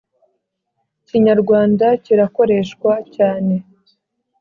Kinyarwanda kirakoreshwa cyane